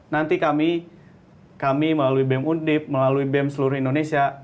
nanti kami melalui bem undip melalui bem seluruh indonesia